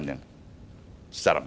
membawa ekonomi dan politik terganggu